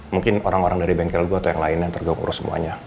mungkin orang orang dari bengkel gue atau yang lainnya yang terganggu urus semuanya